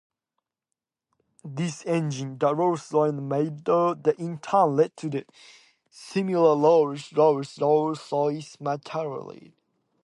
This engine, the Rolls-Royce Meteor, in turn led to the smaller Rolls-Royce Meteorite.